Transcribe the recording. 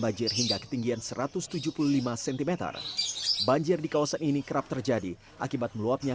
banjir hingga ketinggian satu ratus tujuh puluh lima cm banjir di kawasan ini kerap terjadi akibat meluapnya